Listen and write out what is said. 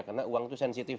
karena uang itu sensitif